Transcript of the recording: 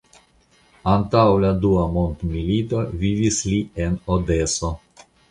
Antaŭ la Dua mondmilito vivis li en Odeso.